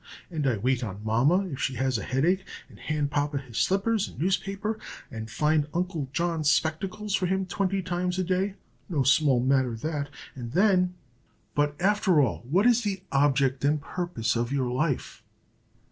And I wait on mamma if she has a headache, and hand papa his slippers and newspaper, and find Uncle John's spectacles for him twenty times a day, (no small matter, that,) and then " "But, after all, what is the object and purpose of your life?"